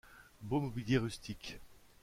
Beau mobilier rustique.